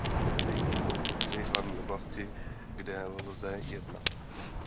Tedy, jsou tu tři hlavní oblasti, kde lze jednat.